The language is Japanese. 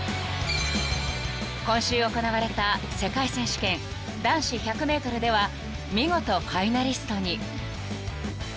［今週行われた世界選手権男子１００ｍでは見事ファイナリストに］